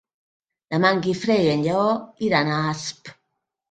Demà en Guifré i en Lleó iran a Asp.